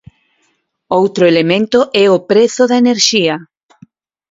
Outro elemento é o prezo da enerxía.